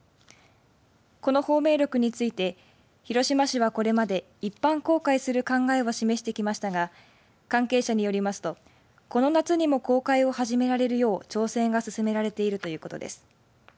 この芳名録について広島市はこれまで一般公開する考えを示してきましたが関係者によりますとこの夏にも公開を始められるよう調整が進められているということです。